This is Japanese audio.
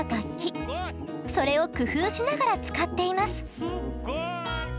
それを工夫しながら使っています。